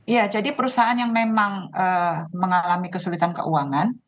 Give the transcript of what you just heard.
ya jadi perusahaan yang memang mengalami kesulitan keuangan